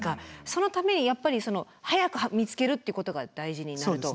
そのためにやっぱり早く見つけるっていうことが大事になると。